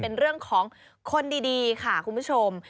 เป็นเรื่องของคนดีค่ะคุณผู้ชม